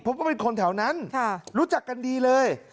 ว่าเป็นคนแถวนั้นรู้จักกันดีเลย